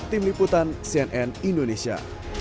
tim liputan cnn indonesia